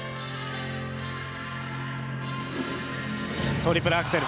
トリプルアクセル。